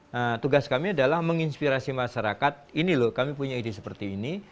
nah tugas kami adalah menginspirasi masyarakat ini loh kami punya ide seperti ini